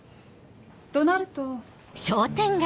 となると。